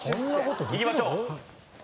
行きましょう。